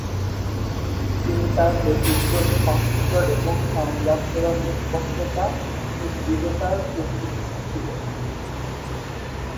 তিনি তার ব্যতিক্রমী কণ্ঠস্বর এবং সংলাপ প্রদানে স্পষ্টতা ও দৃঢ়তার জন্য প্রসিদ্ধ ছিলেন।